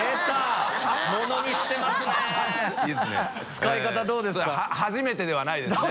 使い方どうですか？